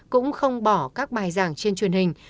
cũng không bỏ các bài giảng trên truyền hình